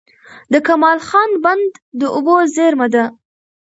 د کمال خان بند د اوبو زېرمه ده.